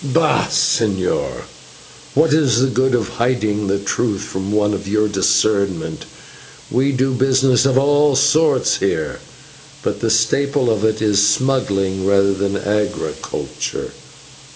Bah! señor, what is the good of hiding the truth from one of your discernment? We do business of all sorts here, but the staple of it is smuggling rather than agriculture.